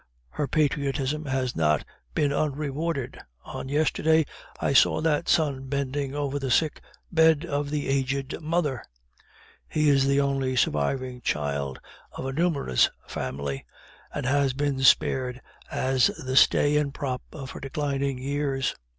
Her patriotism has not been unrewarded. On yesterday I saw that son bending over the sick bed of the aged mother. He is the only surviving child of a numerous family, and has been spared as the stay and prop of her declining years.